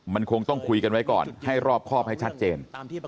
มันคงต้องคุยกันไว้ก่อนให้รอบครอบให้ชัดเจน